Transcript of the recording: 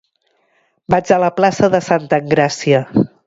Vaig a la plaça de Santa Engràcia.